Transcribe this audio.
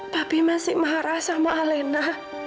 babi masih marah sama alena